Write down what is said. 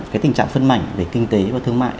cái tình trạng phân mảnh về kinh tế và thương mại